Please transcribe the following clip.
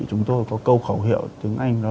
chúng tôi có câu khẩu hiệu tiếng anh